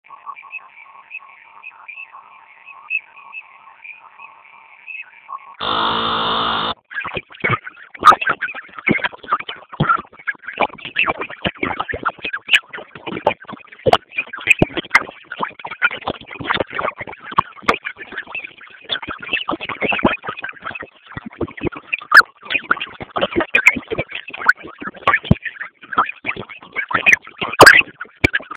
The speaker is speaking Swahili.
Ni jiwe ambalo sasa limetengwa kama tovuti ya Urithi